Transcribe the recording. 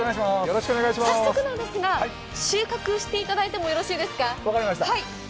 早速なんですが収穫していただいてもよろしいですか？